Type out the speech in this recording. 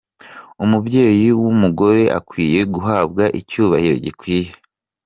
Umubyeyi w’umugore akwiye guhabwa icyubahiro gikwiye.